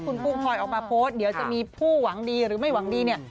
คุณกุ้งพลอยออกมาโพสต์เดี๋ยวจะมีผู้หวังดีหรือไม่หวังดีเนี่ย